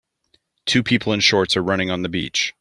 Two people in shorts are running on the beach.